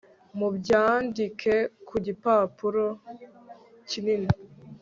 mu byandike ku gipapuro kinini